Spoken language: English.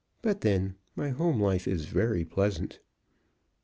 But then, my home life is very pleasant.